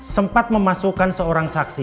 sempat memasukkan seorang saksi